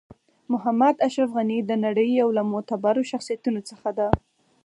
محمد اشرف غنی د نړۍ یو له معتبرو شخصیتونو څخه ده .